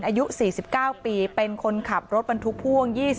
อายุ๔๙ปีเป็นคนขับรถบรรทุกพ่วง